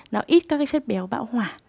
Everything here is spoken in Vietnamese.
nó ít các chất béo bão hỏa